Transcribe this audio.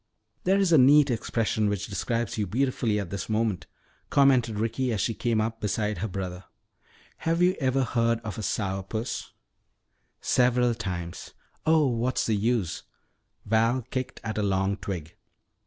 "There is a neat expression which describes you beautifully at this moment," commented Ricky as she came up beside her brother. "Have you ever heard of a 'sour puss?" "Several times. Oh, what's the use!" Val kicked at a long twig.